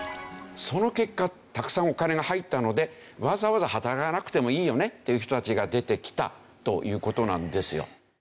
その結果たくさんお金が入ったのでわざわざ働かなくてもいいよねという人たちが出てきたという事なんですよ。